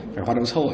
phải hoạt động xã hội